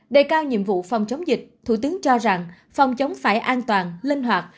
để cao nhiệm vụ phòng chống dịch thủ tướng cho rằng phòng chống phải an toàn linh hoạt